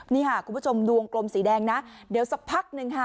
นี่ค่ะคุณผู้ชมดวงกลมสีแดงนะเดี๋ยวสักพักหนึ่งค่ะ